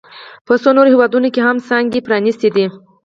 په څو نورو هېوادونو کې هم څانګې پرانیستي دي